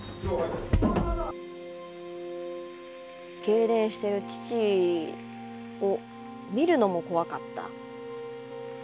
けいれんしてる父を見るのも怖かった。